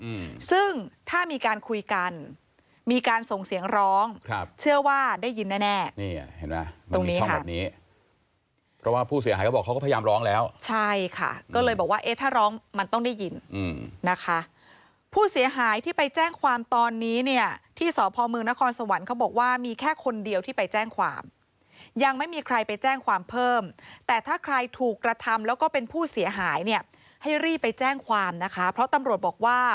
อืมซึ่งถ้ามีการคุยกันมีการส่งเสียงร้องครับเชื่อว่าได้ยินแน่แน่นี่เห็นไหมตรงนี้ครับนี้เพราะว่าผู้เสียหายเขาบอกเขาก็พยายามร้องแล้วใช่ค่ะก็เลยบอกว่าเอ๊ะถ้าร้องมันต้องได้ยินอืมนะคะผู้เสียหายที่ไปแจ้งความตอนนี้เนี้ยที่สอบภอมือนครสวรรค์เขาบอกว่ามีแค่คนเดียวที่ไปแจ้งความยังไม่มีใครไปแจ้งค